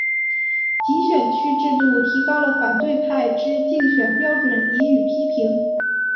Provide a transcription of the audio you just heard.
集选区制度提高了反对派之竞选标准予以批评。